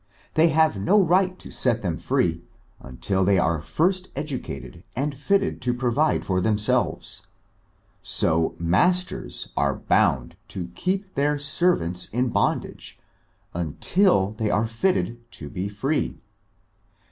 They have no right to set them free, until they are first educated and fitted ^to provide for themselves. So masters are bound to keep their servants in bondage, until they are fitted to be free.